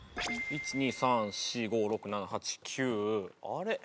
１２３４５６７８９あれ？